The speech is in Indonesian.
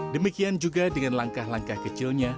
demikian juga dengan langkah langkah kecilnya